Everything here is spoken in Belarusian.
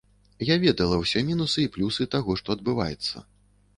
Я ведала ўсе мінусы і плюсы таго, што адбываецца.